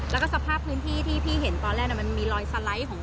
แล้วก็สภาพพื้นที่ที่พี่เห็นตอนแรกมันมีรอยสไลด์ของ